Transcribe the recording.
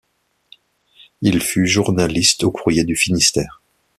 Il fut journaliste au Courrier du Finistère.